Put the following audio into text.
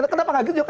kenapa nggak gitu